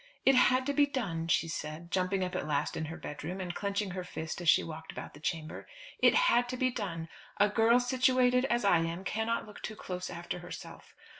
"It had to be done," she said, jumping up at last in her bedroom, and clenching her fist as she walked about the chamber. "It had to be done. A girl situated as I am cannot look too close after herself.